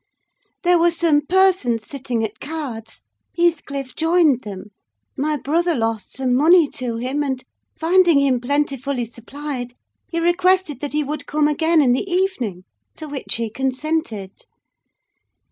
There were some persons sitting at cards; Heathcliff joined them; my brother lost some money to him, and, finding him plentifully supplied, he requested that he would come again in the evening: to which he consented.